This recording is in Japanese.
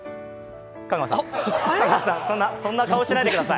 香川さん、そんな顔しないでください。